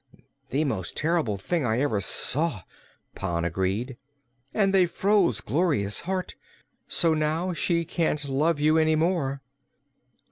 "The most terrible thing I ever saw," Pon agreed. "And they froze Gloria's heart; so now she can't love you any more."